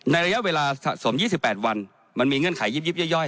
ระยะเวลาสะสม๒๘วันมันมีเงื่อนไขยิบย่อย